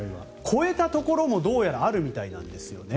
超えたところも、どうやらあるみたいなんですよね。